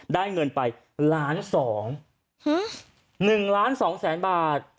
ได้เงินไป๑๒๐๐๐๐๐บาท